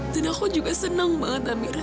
dan aku juga senang banget amira